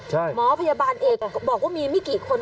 หมอพยาบาลเอกบอกว่ามีไม่กี่คน